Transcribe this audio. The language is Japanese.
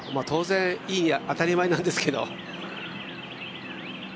当然、いいです当たり前なんですけど。